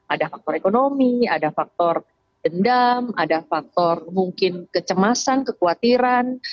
ada faktor ekonomi ada faktor dendam ada faktor mungkin kecemasan kekhawatiran